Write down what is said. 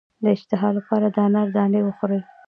د اشتها لپاره د انار دانې وخورئ